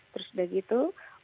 terus udah gitu